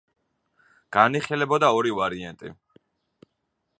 განიხილებოდა ორი ვარიანტი.